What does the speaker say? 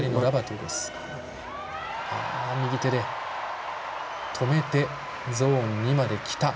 右手で止めてゾーン２まできた。